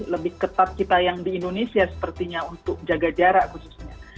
lebih ketat kita yang di indonesia sepertinya untuk jaga jarak khususnya